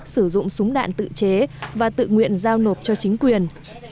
sử dụng súng đạn tự chế và tự nguyện giao nộp cho chính quyền